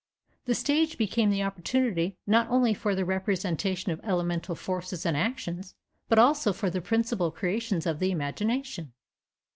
The stage became the opportunity not only for the representation of elemental forces and actions, but also for the principal creations of the imagination.